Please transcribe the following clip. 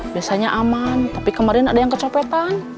biasanya aman tapi kemarin ada yang kecopetan